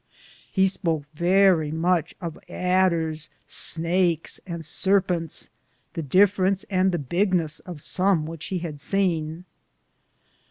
He spoake verrie muche of Aderes, snaykes, and sarpentes, the defiferance and the bignes of som which he had sene.